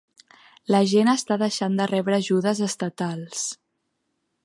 La gent està deixant de rebre ajudes estatals!